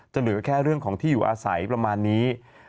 เหลือแค่เรื่องของที่อยู่อาศัยประมาณนี้